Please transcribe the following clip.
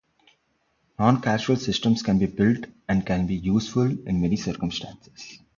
Non-causal systems can be built and can be useful in many circumstances.